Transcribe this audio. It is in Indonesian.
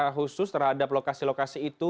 secara khusus terhadap lokasi lokasi itu